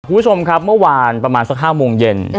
คุณผู้ชมครับเมื่อวานประมาณสัก๕โมงเย็น